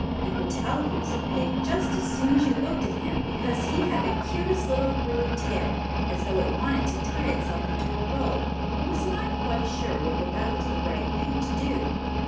You could tell he was a pig just as soon as you looked at him, because he had the cutest little curly tail, as though it wanted to tie itself into a bow, but was not quite sure whether that was the right thing to do.